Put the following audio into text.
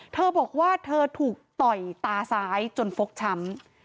เธอบอกว่าเธอถูกต่อยตาซ้ายจนฟกช้ำ